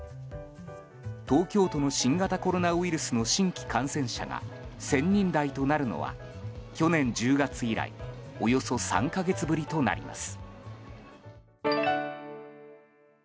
東京都の新型コロナウイルスの新規感染者が１０００人台となるのは去年１０月以来およそ３か月ぶりとなります。